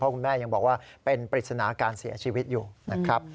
คุณแม่ยังบอกว่าเป็นปริศนาการเสียชีวิตอยู่นะครับ